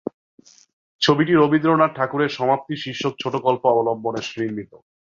ছবিটি রবীন্দ্রনাথ ঠাকুরের "সমাপ্তি" শীর্ষক ছোটোগল্প অবলম্বনে নির্মিত।